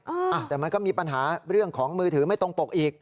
อ่าแต่มันก็มีปัญหาเรื่องของมือถือไม่ตรงปกอีก